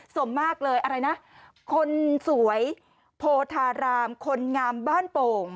สมมากเลยอะไรนะคนสวยโพธารามคนงามบ้านโป่ง